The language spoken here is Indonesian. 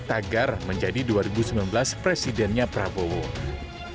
sehingga di tahun dua ribu sembilan belas presidennya prabowo menjadi presiden